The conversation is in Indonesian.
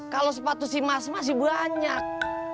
kalau sepatu si mas masih banyak